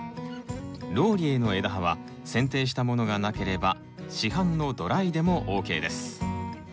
ローリエの枝葉はせんていしたものがなければ市販のドライでもＯＫです。